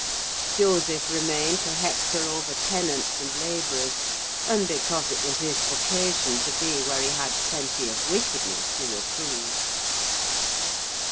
Joseph remained to hector over tenants and labourers; and because it was his vocation to be where he had plenty of wickedness to reprove.